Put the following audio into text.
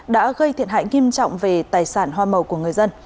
đã gây thiệt hại nghiêm trọng về tài sản hoa màu của người dân